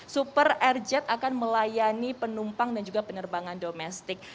super airz akan melayani penumpang dan juga penerbangan domestik